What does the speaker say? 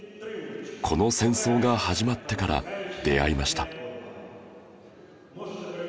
この戦争が始まってから出会いました